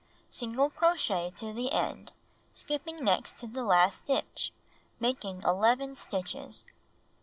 Single crochet to the end, skipping next to the last stitch, making 11 stitches.